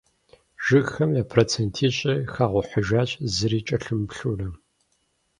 Жыгхэм я процент ищӏыр хэгъухьыжащ зыри кӀэлъымыплъурэ.